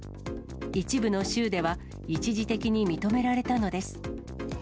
一部の州では、一時的に認められたのです。